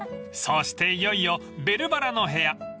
［そしていよいよベルばらの部屋］